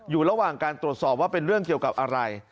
อยู่ระหว่างการตรวจสอบว่าเป็นเรื่องเกี่ยวกับอะไร